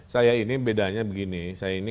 saya ini bedanya begini saya ini